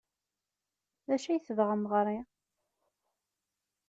D acu ay tebɣam ɣer-i?